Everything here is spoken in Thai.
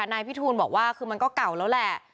นายพิทูลบอกว่าคือมันก็เก่าแล้วแหละ